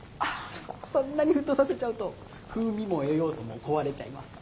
そんなに沸騰させちゃうと風味も栄養素も壊れちゃいますから。